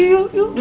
yuk yuk yuk